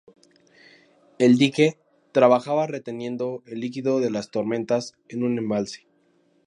El dique trabajaba reteniendo el líquido de las tormentas en un embalse.